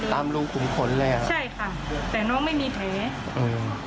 ตามรูขุมขนเลยอ่ะใช่ค่ะแต่น้องไม่มีแผลอืม